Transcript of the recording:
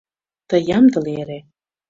Тый ямдыле эре.